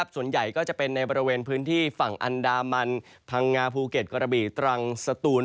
ส่วนใหญ่ก็จะเป็นในบริเวณพื้นที่ฝั่งอันดามันพังงาภูเก็ตกระบีตรังสตูน